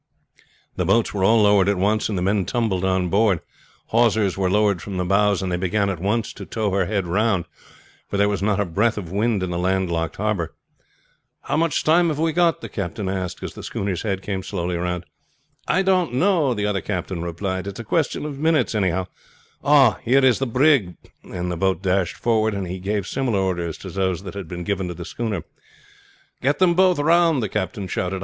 The boats were all lowered at once, and the men tumbled on board. Hawsers were lowered from the bows, and they began at once to tow her head round, for there was not a breath of wind in the land locked harbor. "How much time have we got?" the captain asked as the schooner's head came slowly round. "I don't know," the other captain replied. "It's a question of minutes, anyhow. Ah, here is the brig!" and the boat dashed forward and he gave similar orders to those that had been given to the schooner. "Get them both round!" the captain shouted.